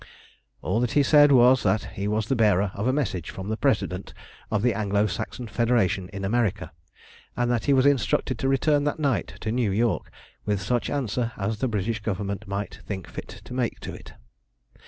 All that he said was that he was the bearer of a message from the President of the Anglo Saxon Federation in America, and that he was instructed to return that night to New York with such answer as the British Government might think fit to make to it.